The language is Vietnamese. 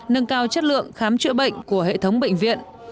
nâng cao chất lượng khám chữa bệnh của hệ thống bệnh viện